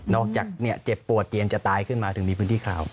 นอกจากเจ็บปวดเจียนคือมีพื้นที่ข่าว